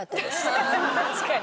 確かに。